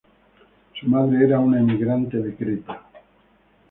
Su madre era una emigrante de Creta.